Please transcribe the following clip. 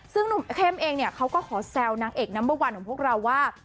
ซึ่งหนุ่มเข้มเองเนี่ยเขาก็ขอแซวนางเอกนัมเบอร์วันของพวกเราว่า